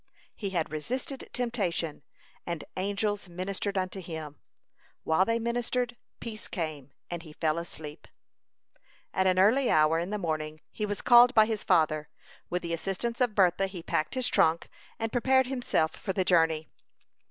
He had resisted temptation, and angels ministered unto him. While they ministered, peace came, and he fell asleep. At an early hour in the morning he was called by his father. With the assistance of Bertha he packed his trunk and prepared himself for the journey.